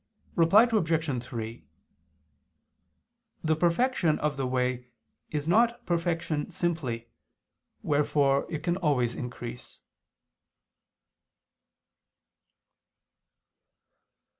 Reply Obj. 3: The perfection of the way is not perfection simply, wherefore it can always increase.